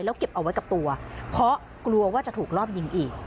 แล้วเก็บเอาไว้กับตัวเพราะกลัวว่าจะถูกรอบยิงอีก